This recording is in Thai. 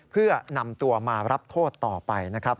เพื่อนำตัวมารับโทษต่อไปนะครับ